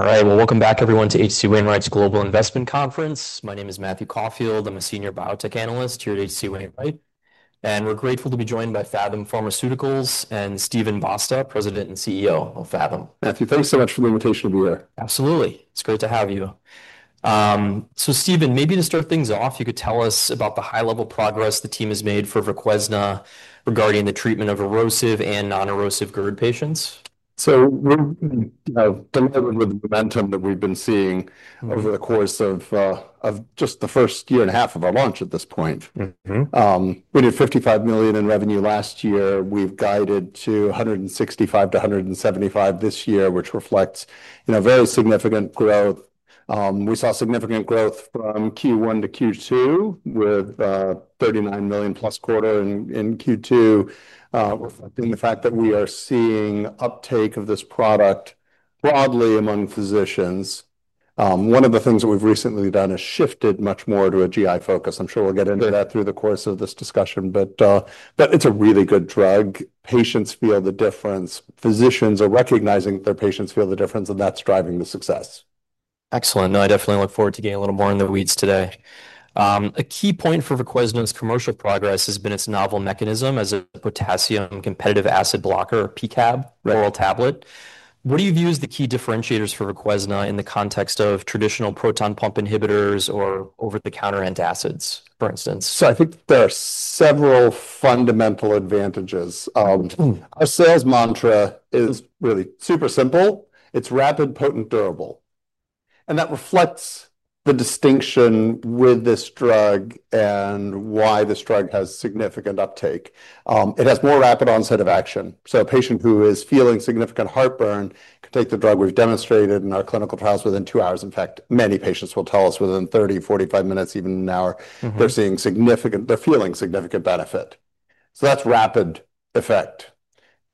All right, welcome back everyone to HC Wainwright's Global Investment Conference. My name is Matthew Caulfield, I'm a Senior Biotech Analyst here at HC Wainwright, and we're grateful to be joined by Phathom Pharmaceuticals and Stephen Vostak, President and CEO of Phathom. Matthew, thanks so much for the invitation to be here. Absolutely, it's great to have you. Stephen, maybe to start things off, you could tell us about the high-level progress the team has made for VOQUEZNA regarding the treatment of erosive and non-erosive GERD patients. We're delighted with the momentum that we've been seeing over the course of just the first year and a half of our launch at this point. Mm-hmm. We did $55 million in revenue last year. We've guided to $165 to $175 million this year, which reflects very significant growth. We saw significant growth from Q1 to Q2 with a $39 million plus quarter in Q2, reflecting the fact that we are seeing uptake of this product broadly among physicians. One of the things that we've recently done is shifted much more to a GI focus. I'm sure we'll get into that through the course of this discussion, but it's a really good drug. Patients feel the difference. Physicians are recognizing that their patients feel the difference, and that's driving the success. Excellent. No, I definitely look forward to getting a little more in the weeds today. A key point for VOQUEZNA's commercial progress has been its novel mechanism as a potassium-competitive acid blocker, PCAB, oral tablet. What do you view as the key differentiators for VOQUEZNA in the context of traditional proton pump inhibitors or over-the-counter antacids, for instance? I think there are several fundamental advantages. Our sales mantra is really super simple. It's rapid, potent, durable. That reflects the distinction with this drug and why this drug has significant uptake. It has more rapid onset of action. A patient who is feeling significant heartburn could take the drug. We've demonstrated in our clinical trials within two hours. In fact, many patients will tell us within 30, 45 minutes, even an hour, they're seeing significant, they're feeling significant benefit. That's rapid effect.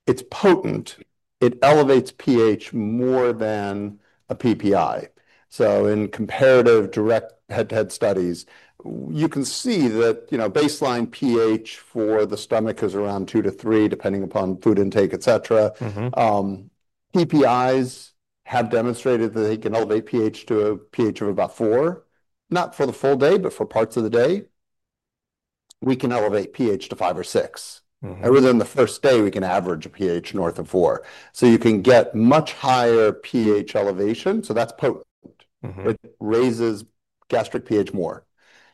It's potent. It elevates pH more than a PPI. In comparative direct head-to-head studies, you can see that baseline pH for the stomach is around two to three, depending upon food intake, et cetera. PPIs have demonstrated that they can elevate pH to a pH of about four, not for the full day, but for parts of the day. We can elevate pH to five or six. Within the first day, we can average a pH north of four. You can get much higher pH elevation. That's potent. It raises gastric pH more.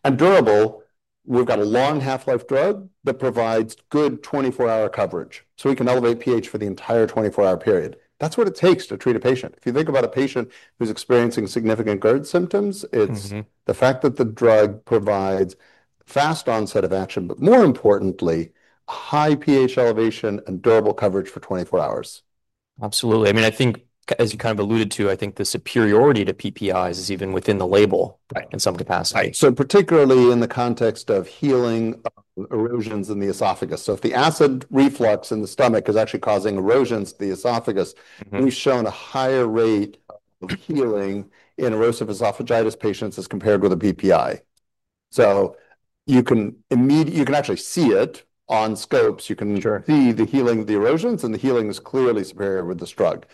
Durable, we've got a long half-life drug that provides good 24-hour coverage. We can elevate pH for the entire 24-hour period. That's what it takes to treat a patient. If you think about a patient who's experiencing significant GERD symptoms, it's the fact that the drug provides fast onset of action, but more importantly, a high pH elevation and durable coverage for 24 hours. Absolutely. I mean, as you kind of alluded to, I think the superiority to PPIs is even within the label in some capacity. Right. Particularly in the context of healing erosions in the esophagus, if the acid reflux in the stomach is actually causing erosions to the esophagus, we've shown a higher rate of healing in erosive esophagitis patients as compared with a PPI. You can actually see it on scopes. You can see the healing of the erosions, and the healing is clearly superior with this drug.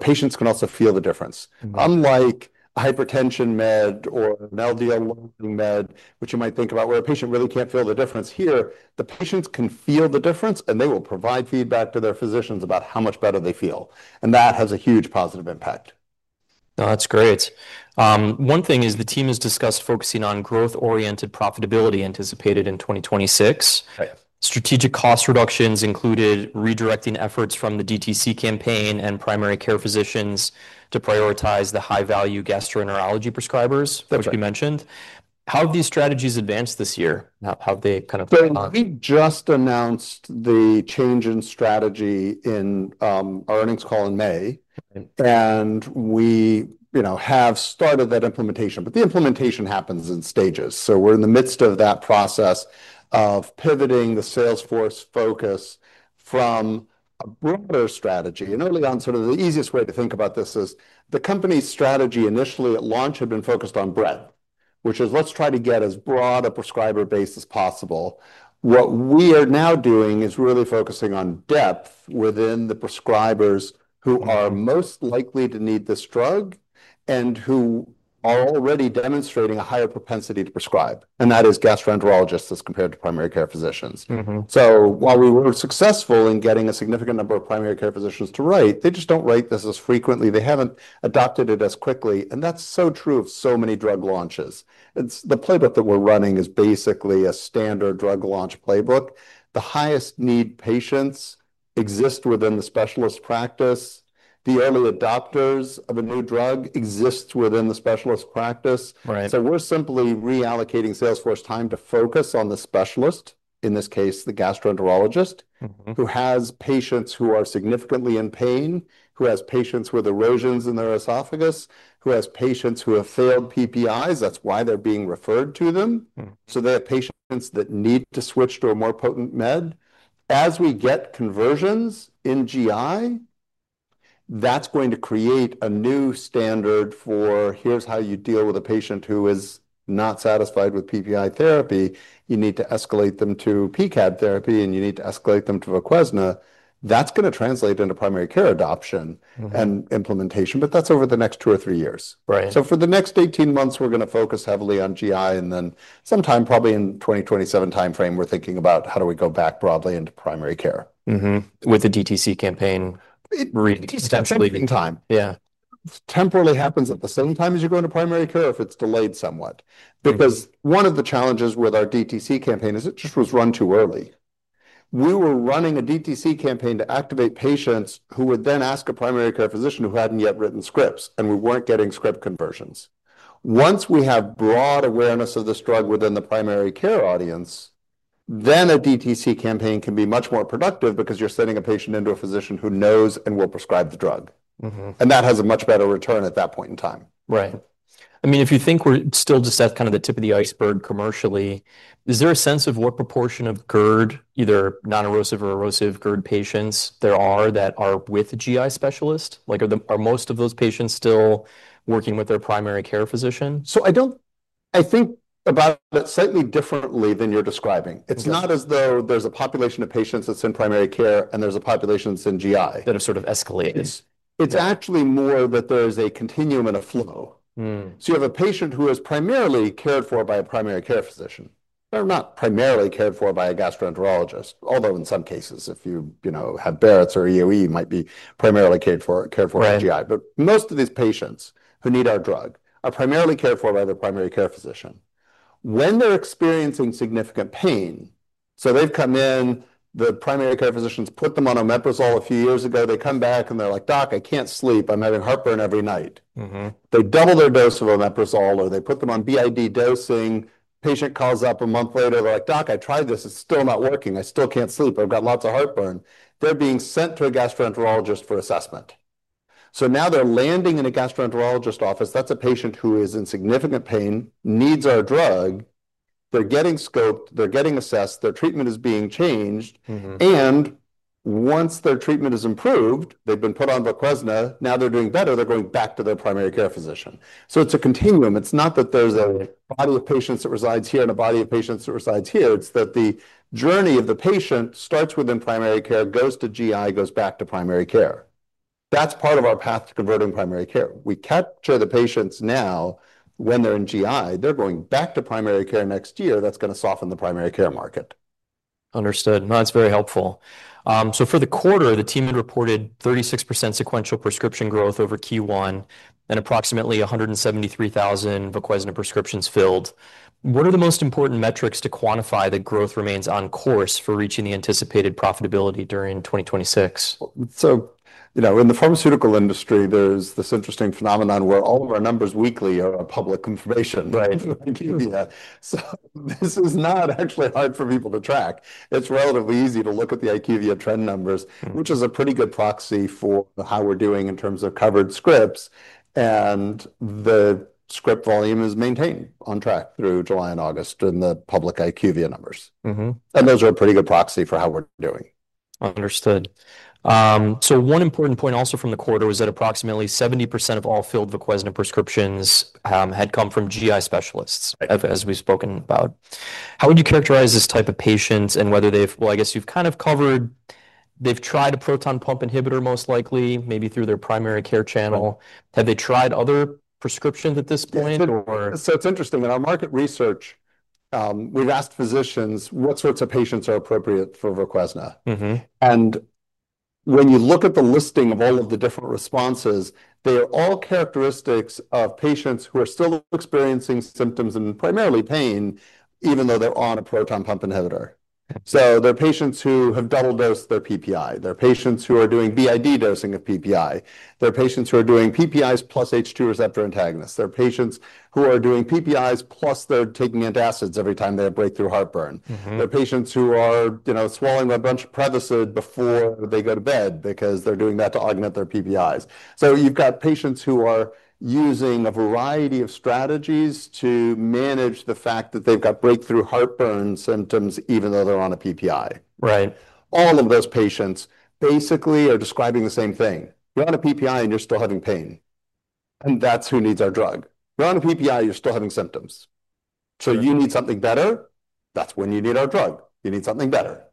Patients can also feel the difference. Unlike a hypertension med or an LDL lowering med, which you might think about, where a patient really can't feel the difference, here the patients can feel the difference, and they will provide feedback to their physicians about how much better they feel. That has a huge positive impact. No, that's great. One thing is the team has discussed focusing on growth-oriented profitability anticipated in 2026. Right. Strategic cost reductions included redirecting efforts from the direct-to-consumer campaign and primary care physicians to prioritize the high-value gastroenterology prescribers that we mentioned. How have these strategies advanced this year? How have they kind of? We just announced the change in strategy in our earnings call in May. We have started that implementation, but the implementation happens in stages. We are in the midst of that process of pivoting the salesforce focus from a broader strategy. Early on, the easiest way to think about this is the company's strategy initially at launch had been focused on breadth, which is let's try to get as broad a prescriber base as possible. What we are now doing is really focusing on depth within the prescribers who are most likely to need this drug and who are already demonstrating a higher propensity to prescribe. That is gastroenterologists as compared to primary care physicians. While we were successful in getting a significant number of primary care physicians to write, they just don't write this as frequently. They haven't adopted it as quickly. That's so true of so many drug launches. The playbook that we're running is basically a standard drug launch playbook. The highest need patients exist within the specialist practice. The early adopters of a new drug exist within the specialist practice. We're simply reallocating salesforce time to focus on the specialist, in this case, the gastroenterologist, who has patients who are significantly in pain, who has patients with erosions in their esophagus, who has patients who have failed PPIs. That's why they're being referred to them. They're patients that need to switch to a more potent med. As we get conversions in GI, that's going to create a new standard for here's how you deal with a patient who is not satisfied with PPI therapy. You need to escalate them to PCAB therapy, and you need to escalate them to VOQUEZNA. That's going to translate into primary care adoption and implementation, but that's over the next two or three years. Right. For the next 18 months, we're going to focus heavily on GI, and then sometime probably in the 2027 timeframe, we're thinking about how do we go back broadly into primary care. With the DTC campaign. It really happens at the same time. Yeah. It temporarily happens at the same time as you go into primary care if it's delayed somewhat. One of the challenges with our DTC campaign is it just was run too early. We were running a DTC campaign to activate patients who would then ask a primary care physician who hadn't yet written scripts, and we weren't getting script conversions. Once we have broad awareness of this drug within the primary care audience, a DTC campaign can be much more productive because you're sending a patient into a physician who knows and will prescribe the drug. That has a much better return at that point in time. Right. I mean, if you think we're still just at kind of the tip of the iceberg commercially, is there a sense of what proportion of GERD, either non-erosive or erosive GERD patients there are that are with a GI specialist? Like, are most of those patients still working with their primary care physician? I think about it slightly differently than you're describing. It's not as though there's a population of patients that's in primary care and there's a population that's in GI. That have sort of escalated. It's actually more that there's a continuum and a flow. You have a patient who is primarily cared for by a primary care physician. They're not primarily cared for by a gastroenterologist, although in some cases, if you have Barrett's or EOE, you might be primarily cared for by GI. Most of these patients who need our drug are primarily cared for by their primary care physician. When they're experiencing significant pain, they've come in, the primary care physician's put them on omeprazole a few years ago, they come back and they're like, "Doc, I can't sleep. I'm having heartburn every night. Mm-hmm. They double their dose of omeprazole or they put them on b.i.d. dosing. Patient calls up a month later, they're like, "Doc, I tried this. It's still not working. I still can't sleep. I've got lots of heartburn." They're being sent to a gastroenterologist for assessment. Now they're landing in a gastroenterologist's office. That's a patient who is in significant pain, needs our drug. They're getting scoped, they're getting assessed, their treatment is being changed. Mm-hmm. Once their treatment is improved, they've been put on VOQUEZNA, now they're doing better, they're going back to their primary care physician. It's a continuum. It's not that there's a body of patients that resides here and a body of patients that resides here. It's that the journey of the patient starts within primary care, goes to GI, goes back to primary care. That's part of our path to converting primary care. We capture the patients now when they're in GI, they're going back to primary care next year. That's going to soften the primary care market. Understood. No, that's very helpful. For the quarter, the team had reported 36% sequential prescription growth over Q1 and approximately 173,000 VOQUEZNA prescriptions filled. What are the most important metrics to quantify that growth remains on course for reaching the anticipated profitability during 2026? In the pharmaceutical industry, there's this interesting phenomenon where all of our numbers weekly are public information. Right. IQVIA. This is not actually hard for people to track. It's relatively easy to look at the IQVIA trend numbers, which is a pretty good proxy for how we're doing in terms of covered scripts. The script volume is maintained on track through July and August in the public IQVIA numbers. Mm-hmm. Those are a pretty good proxy for how we're doing. Understood. One important point also from the quarter was that approximately 70% of all filled VOQUEZNA prescriptions had come from GI specialists, as we've spoken about. How would you characterize this type of patient and whether they've, I guess you've kind of covered, they've tried a proton pump inhibitor most likely, maybe through their primary care channel. Have they tried other prescriptions at this point? It's interesting in our market research, we've asked physicians what sorts of patients are appropriate for VOQUEZNA. Mm-hmm. When you look at the listing of all of the different responses, they're all characteristics of patients who are still experiencing symptoms and primarily pain, even though they're on a proton pump inhibitor. They're patients who have double dosed their PPI. They're patients who are doing b.i.d. dosing of PPI. They're patients who are doing PPIs plus H2 receptor antagonists. They're patients who are doing PPIs plus they're taking antacids every time they have breakthrough heartburn. They're patients who are, you know, swallowing a bunch of Prevacid before they go to bed because they're doing that to augment their PPIs. You've got patients who are using a variety of strategies to manage the fact that they've got breakthrough heartburn symptoms, even though they're on a PPI. Right. All of those patients basically are describing the same thing. You're on a PPI and you're still having pain. That's who needs our drug. You're on a PPI, you're still having symptoms. You need something better. That's when you need our drug. You need something better.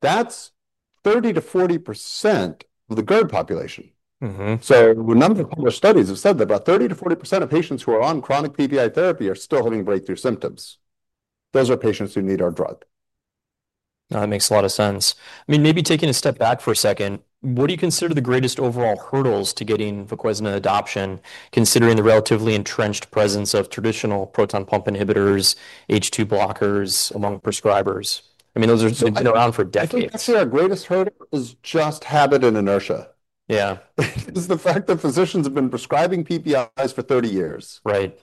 That's 30% to 40% of the GERD population. Mm-hmm. A number of studies have said that about 30% to 40% of patients who are on chronic PPI therapy are still having breakthrough symptoms. Those are patients who need our drug. That makes a lot of sense. Maybe taking a step back for a second, what do you consider the greatest overall hurdles to getting VOQUEZNA adoption, considering the relatively entrenched presence of traditional proton pump inhibitors, H2 blockers among prescribers? Those have been around for decades. I think our greatest hurdle is just habit and inertia. Yeah. It's the fact that physicians have been prescribing PPIs for 30 years. Right.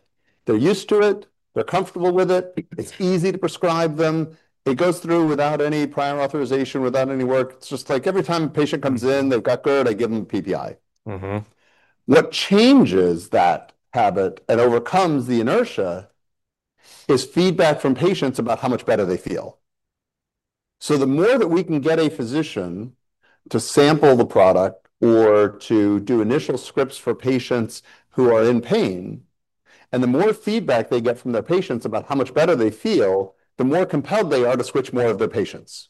They're used to it. They're comfortable with it. It's easy to prescribe them. It goes through without any prior authorization, without any work. It's just like every time a patient comes in, they've got GERD, I give them PPI. Mm-hmm. What changes that habit and overcomes the inertia is feedback from patients about how much better they feel. The more that we can get a physician to sample the product or to do initial scripts for patients who are in pain, and the more feedback they get from their patients about how much better they feel, the more compelled they are to switch more of their patients.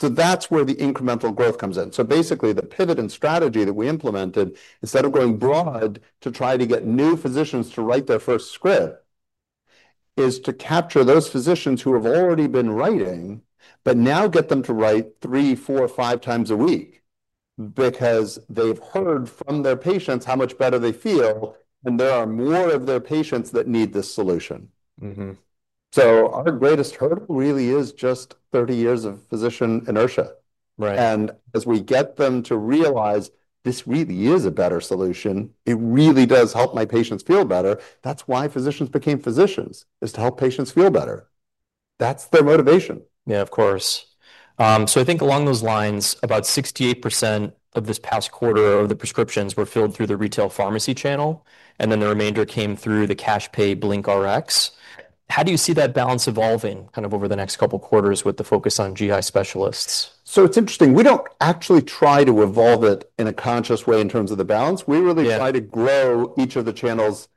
That's where the incremental growth comes in. Basically, the pivot in strategy that we implemented, instead of going broad to try to get new physicians to write their first script, is to capture those physicians who have already been writing, but now get them to write three, four, five times a week because they've heard from their patients how much better they feel, and there are more of their patients that need this solution. Mm-hmm. Our greatest hurdle really is just 30 years of physician inertia. Right. As we get them to realize this really is a better solution, it really does help my patients feel better. That's why physicians became physicians, to help patients feel better. That's their motivation. Yeah, of course. I think along those lines, about 68% of this past quarter of the prescriptions were filled through the retail pharmacy channel, and then the remainder came through the cash pay BlinkRx. How do you see that balance evolving over the next couple of quarters with the focus on GI specialists? It's interesting. We don't actually try to evolve it in a conscious way in terms of the balance. We really try to grow each of the channels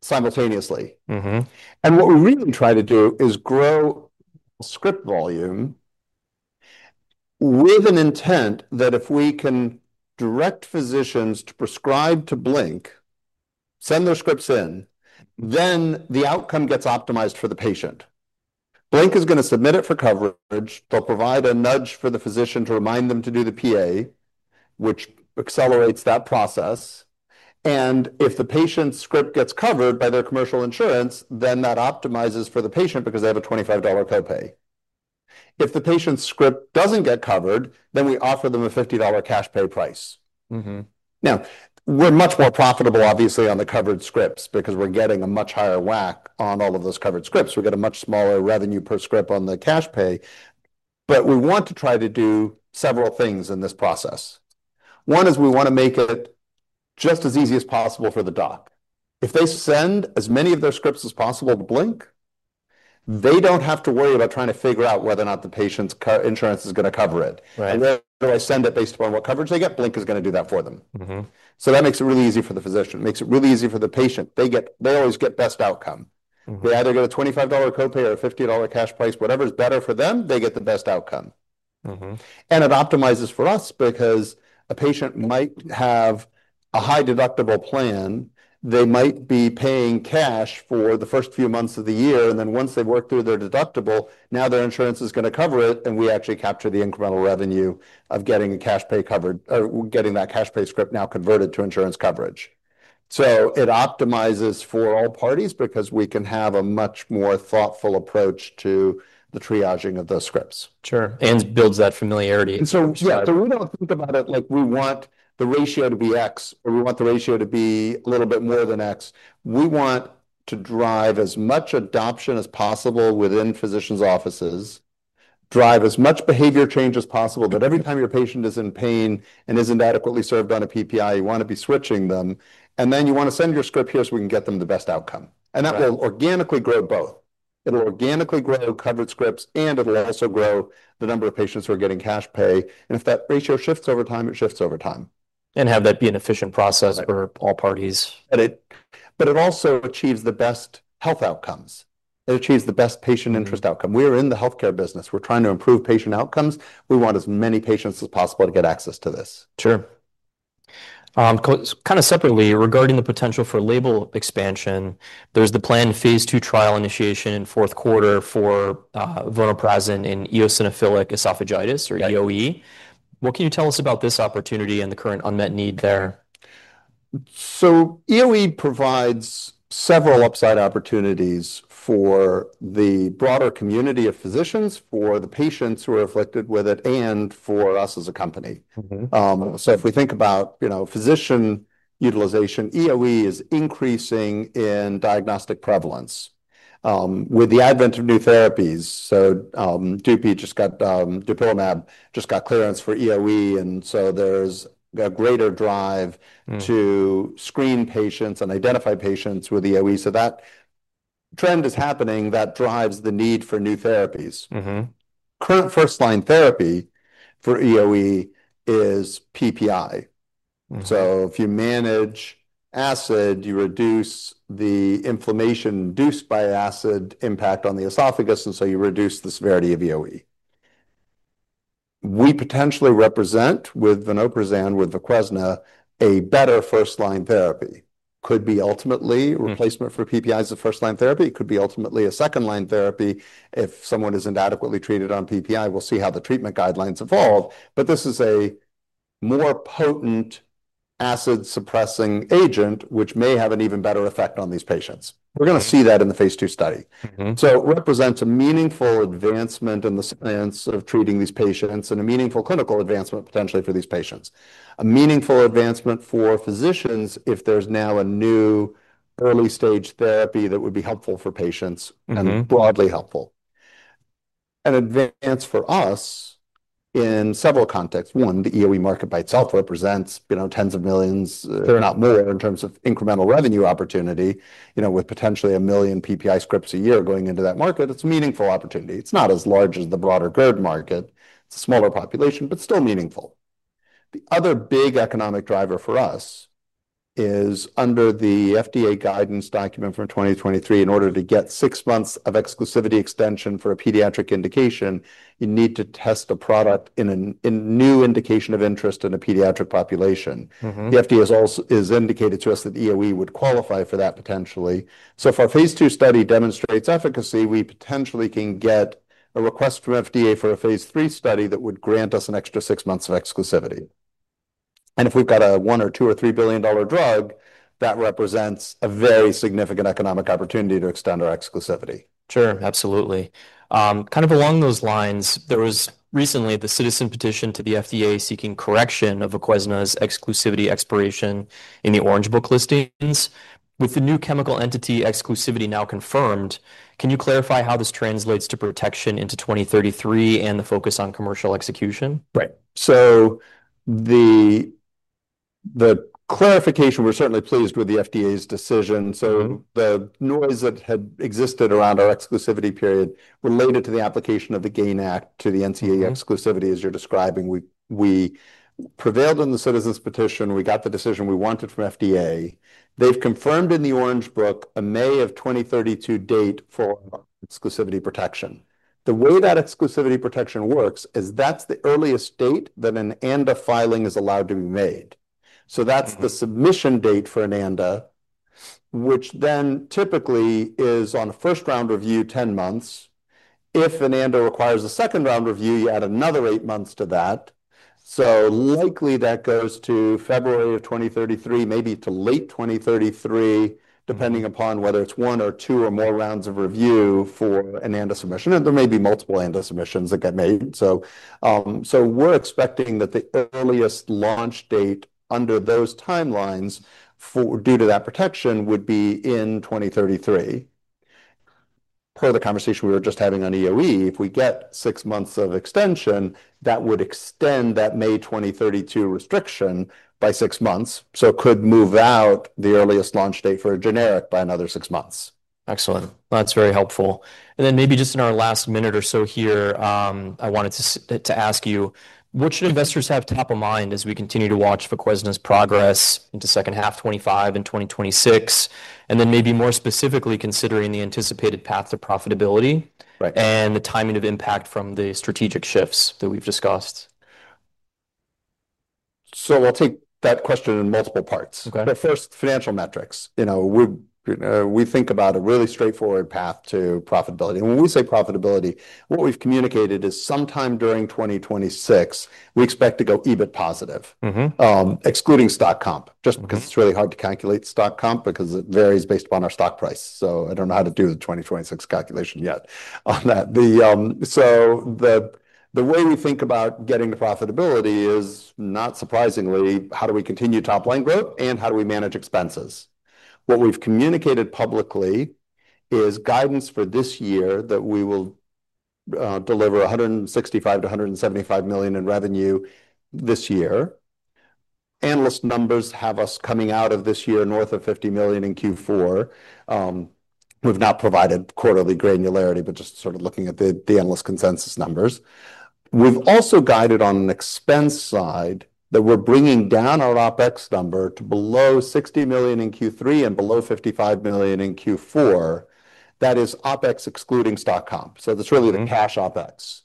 simultaneously. Mm-hmm. What we really try to do is grow script volume with an intent that if we can direct physicians to prescribe to Blink, send their scripts in, the outcome gets optimized for the patient. Blink is going to submit it for coverage. They'll provide a nudge for the physician to remind them to do the PA, which accelerates that process. If the patient's script gets covered by their commercial insurance, that optimizes for the patient because they have a $25 copay. If the patient's script doesn't get covered, we offer them a $50 cash pay price. Mm-hmm. Now, we're much more profitable, obviously, on the covered scripts because we're getting a much higher whack on all of those covered scripts. We're getting a much smaller revenue per script on the cash pay, but we want to try to do several things in this process. One is we want to make it just as easy as possible for the doc. If they send as many of their scripts as possible to Blink, they don't have to worry about trying to figure out whether or not the patient's insurance is going to cover it. Right. Whether I send it based upon what coverage they get, Blink is going to do that for them. Mm-hmm. That makes it really easy for the physician. It makes it really easy for the patient. They always get best outcome. They either get a $25 copay or a $50 cash price, whatever's better for them, they get the best outcome. Mm-hmm. It optimizes for us because a patient might have a high deductible plan. They might be paying cash for the first few months of the year, and then once they work through their deductible, now their insurance is going to cover it, and we actually capture the incremental revenue of getting a cash pay covered, or getting that cash pay script now converted to insurance coverage. It optimizes for all parties because we can have a much more thoughtful approach to the triaging of those scripts. Sure, it builds that familiarity. We don't think about it like we want the ratio to be X, or we want the ratio to be a little bit more than X. We want to drive as much adoption as possible within physicians' offices, drive as much behavior change as possible, that every time your patient is in pain and isn't adequately served on a PPI, you want to be switching them, and then you want to send your script here so we can get them the best outcome. That will organically grow both. It will organically grow covered scripts, and it will also grow the number of patients who are getting cash pay. If that ratio shifts over time, it shifts over time. That is an efficient process for all parties. It also achieves the best health outcomes. It achieves the best patient interest outcome. We're in the healthcare business. We're trying to improve patient outcomes. We want as many patients as possible to get access to this. Sure. Kind of separately regarding the potential for label expansion, there's the planned phase two trial initiation in fourth quarter for VOQUEZNA in eosinophilic esophagitis or EOE. What can you tell us about this opportunity and the current unmet need there? EOE provides several upside opportunities for the broader community of physicians, for the patients who are afflicted with it, and for us as a company. Mm-hmm. If we think about, you know, physician utilization, EOE is increasing in diagnostic prevalence with the advent of new therapies. Dupilumab just got clearance for EOE, and there's a greater drive to screen patients and identify patients with EOE. That trend is happening that drives the need for new therapies. Mm-hmm. Current first-line therapy for EOE is PPI. Mm-hmm. If you manage acid, you reduce the inflammation induced by acid impact on the esophagus, and you reduce the severity of EOE. We potentially represent with vonoprazan with VOQUEZNA a better first-line therapy. It could be ultimately a replacement for PPI as a first-line therapy. It could be ultimately a second-line therapy if someone isn't adequately treated on PPI. We'll see how the treatment guidelines evolve. This is a more potent acid-suppressing agent, which may have an even better effect on these patients. We're going to see that in the phase two study. Mm-hmm. It represents a meaningful advancement in the sense of treating these patients and a meaningful clinical advancement potentially for these patients. A meaningful advancement for physicians if there's now a new early-stage therapy that would be helpful for patients and broadly helpful. An advance for us in several contexts. One, the EOE market by itself represents tens of millions, if not more, in terms of incremental revenue opportunity, with potentially a million PPI scripts a year going into that market. It's a meaningful opportunity. It's not as large as the broader GERD market. It's a smaller population, but still meaningful. The other big economic driver for us is under the FDA guidance document from 2023, in order to get six months of exclusivity extension for a pediatric indication, you need to test a product in a new indication of interest in a pediatric population. The FDA has also indicated to us that EOE would qualify for that potentially. If our phase two study demonstrates efficacy, we potentially can get a request from FDA for a phase three study that would grant us an extra six months of exclusivity. If we've got a $1 billion or $2 billion or $3 billion drug, that represents a very significant economic opportunity to extend our exclusivity. Sure, absolutely. Kind of along those lines, there was recently the citizen petition to the FDA seeking correction of VOQUEZNA's exclusivity expiration in the Orange Book listings. With the new chemical entity exclusivity now confirmed, can you clarify how this translates to protection into 2033 and the focus on commercial execution? Right. So the clarification, we're certainly pleased with the FDA's decision. The noise that had existed around our exclusivity period related to the application of the GAIN Act to the new chemical entity exclusivity as you're describing, we prevailed in the citizen's petition. We got the decision we wanted from FDA. They've confirmed in the Orange Book a May 2032 date for exclusivity protection. The way that exclusivity protection works is that's the earliest date that an ANDA filing is allowed to be made. That's the submission date for an ANDA, which then typically is on a first round review, 10 months. If an ANDA requires a second round review, you add another 8 months to that. Likely that goes to February 2033, maybe to late 2033, depending upon whether it's one or two or more rounds of review for an ANDA submission. There may be multiple ANDA submissions that get made. We're expecting that the earliest launch date under those timelines due to that protection would be in 2033. Per the conversation we were just having on EOE, if we get 6 months of extension, that would extend that May 2032 restriction by 6 months. It could move out the earliest launch date for a generic by another 6 months. Excellent. That's very helpful. Maybe just in our last minute or so here, I wanted to ask you, what should investors have top of mind as we continue to watch VOQUEZNA's progress into the second half of 2025 and 2026, and then maybe more specifically considering the anticipated path to profitability and the timing of impact from the strategic shifts that we've discussed? We will take that question in multiple parts. Okay. First, financial metrics. You know, we think about a really straightforward path to profitability. When we say profitability, what we've communicated is sometime during 2026, we expect to go EBIT positive. Mm-hmm. Excluding stock comp, just because it's really hard to calculate stock comp because it varies based upon our stock price. I don't know how to do the 2026 calculation yet on that. The way we think about getting to profitability is, not surprisingly, how do we continue top line growth and how do we manage expenses? What we've communicated publicly is guidance for this year that we will deliver $165 to $175 million in revenue this year. Analyst numbers have us coming out of this year north of $50 million in Q4. We've not provided quarterly granularity, but just sort of looking at the analyst consensus numbers. We've also guided on an expense side that we're bringing down our OpEx number to below $60 million in Q3 and below $55 million in Q4. That is OpEx excluding stock comp, so that's really the cash OpEx.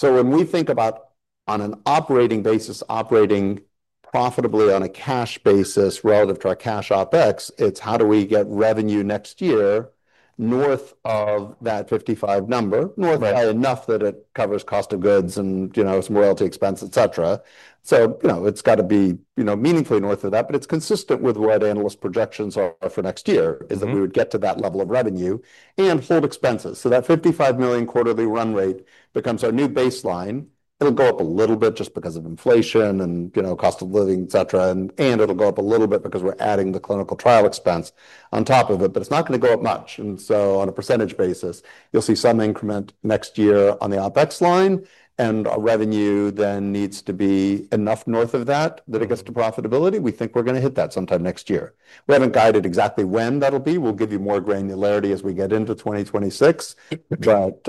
When we think about, on an operating basis, operating profitably on a cash basis relative to our cash OpEx, it's how do we get revenue next year north of that $55 million number, north by enough that it covers cost of goods and, you know, some royalty expense, et cetera. It's got to be meaningfully north of that, but it's consistent with what analyst projections are for next year, that we would get to that level of revenue and hold expenses. That $55 million quarterly run rate becomes our new baseline. It'll go up a little bit just because of inflation and, you know, cost of living, et cetera, and it'll go up a little bit because we're adding the clinical trial expense on top of it, but it's not going to go up much. On a percentage basis, you'll see some increment next year on the OpEx line, and our revenue then needs to be enough north of that that it gets to profitability. We think we're going to hit that sometime next year. We haven't guided exactly when that'll be. We'll give you more granularity as we get into 2026, but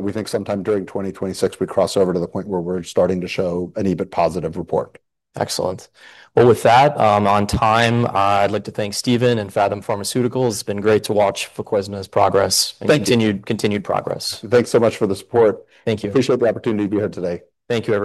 we think sometime during 2026 we cross over to the point where we're starting to show an EBIT positive report. Excellent. With that, on time, I'd like to thank Stephen and Phathom Pharmaceuticals. It's been great to watch VOQUEZNA's progress and continued progress. Thanks so much for the support. Thank you. Appreciate the opportunity to be here today. Thank you.